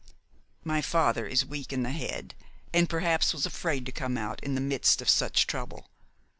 "My father is weak in the head, and perhaps was afraid to come out in the midst of such trouble.